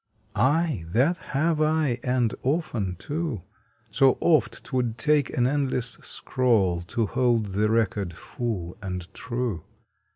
Aye that have I, and often, too! So oft twould take an endless scroll To hold the record full and true.